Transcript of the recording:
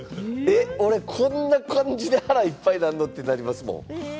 俺、こんな感じで腹いっぱいなんの？って感じますもん。